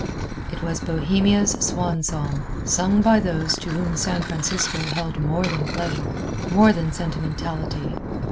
It was Bohemia's Swan Song, sung by those to whom San Francisco held more than pleasure more than sentimentality.